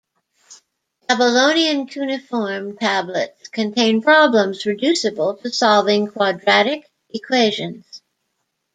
Babylonian cuneiform tablets contain problems reducible to solving quadratic equations.